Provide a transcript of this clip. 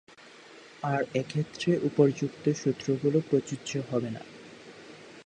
আর এক্ষেত্রে উপর্যুক্ত সূত্রগুলো প্রযোজ্য হবে না।